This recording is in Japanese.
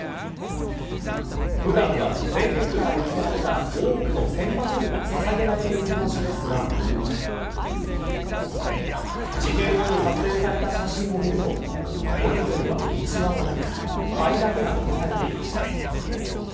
普段は、全国から寄せられた多くの千羽鶴がささげられている場所ですが事件後に撮影された写真を見ると折り鶴は一羽もなく灰だけが残されていました。